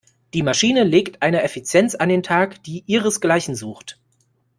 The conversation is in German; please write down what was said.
Die Maschine legt eine Effizienz an den Tag, die ihresgleichen sucht.